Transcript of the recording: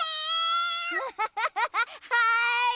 はい！